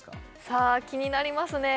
さあ気になりますね